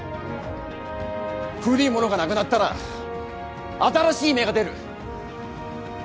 古いものがなくなったら新しい芽が出る。